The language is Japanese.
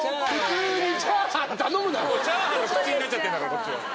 チャーハンの口になっちゃってんだからこっちは。